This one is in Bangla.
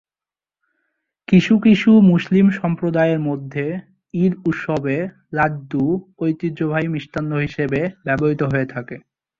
কিছু কিছু মুসলিম সম্প্রদায় এর মধ্যে ঈদ উৎসবে লাড্ডু ঐতিহ্যবাহী মিষ্টান্ন হিসাবে ব্যবহৃত হয়ে থাকে।